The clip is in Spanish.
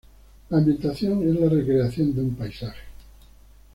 La ambientación es la recreación de un paisaje.